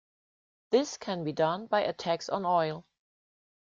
This can be done by a tax on oil.